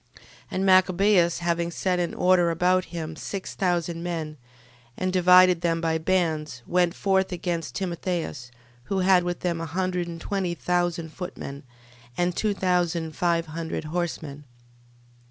12:20. And Machabeus having set in order about him six thousand men, and divided them by bands, went forth against Timotheus, who had with him a hundred and twenty thousand footmen, aad two thousand five hundred horsemen.